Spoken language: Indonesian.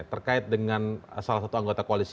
terkait dengan salah satu anggota koalisi